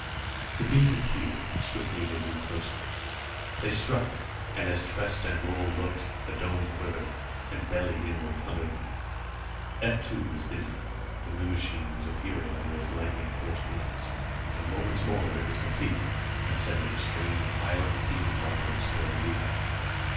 The beams appeared, and swiftly they drew closer. They struck, and as Trest and Roal looked, the dome quivered, and bellied inward under them. F 2 was busy. A new machine was appearing under his lightning force beams. In moments more it was complete, and sending a strange violet beam upwards toward the roof.